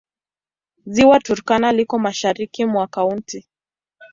Ziwa Turkana liko mashariki mwa kaunti.